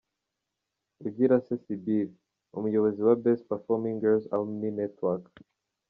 Ugirase Sibylle; umuyobozi wa “Best Performing Girls alumni network”.